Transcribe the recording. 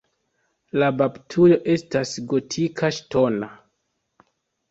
La baptujo estas gotika ŝtona.